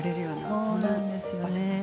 そうなんですよ。